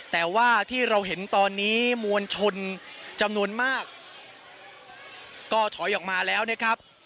แต่ว่าที่เราเห็นตอนนี้มวลชนจำนวนมากก็ถอยออกมาแล้วนะครับ